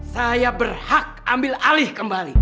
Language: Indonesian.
saya berhak ambil alih kembali